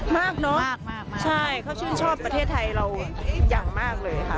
มากเนอะใช่เขาชื่นชอบประเทศไทยเราอย่างมากเลยค่ะ